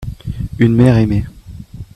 une mère aimée.